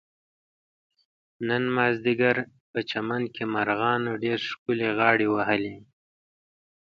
نن مازدیګر په چمن کې مرغانو ډېر ښکلې غاړې وهلې.